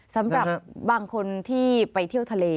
สำหรับบางคนที่ไปเที่ยวทะเล